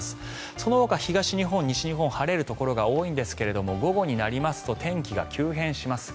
そのほか東日本、西日本晴れるところが多いんですが午後になりますと天気が急変します。